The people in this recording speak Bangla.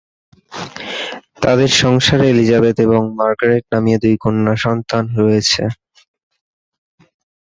তাদের সংসারে এলিজাবেথ এবং মার্গারেট নামীয় দুই কন্যা সন্তান রয়েছে।